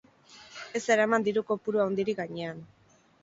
Ez eraman diru-kopuru handirik gainean.